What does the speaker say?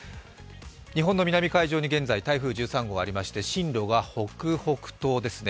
日本の南海上に、現在、台風１３号ありまして進路が北北東ですね